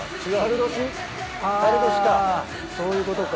あそういうことか。